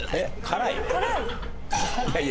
辛い？